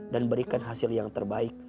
berikan hasil yang terbaik